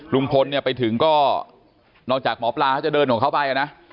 ลุงพลเนี่ยไปถึงก็นอกจากหมอปลาเขาจะเดินของเขาไปนะ